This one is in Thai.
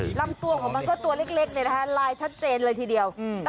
ลำตัวของมันก็ตัวเล็กเนี่ยนะคะลายชัดเจนเลยทีเดียว